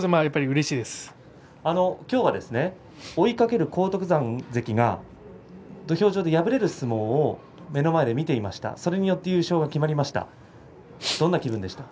追いかける荒篤山関が土俵上で敗れる相撲を目の前で見ていましたね。